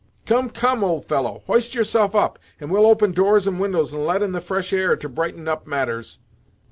"Come, come, old fellow; hoist yourself up, and we'll open doors and windows and let in the fresh air to brighten up matters.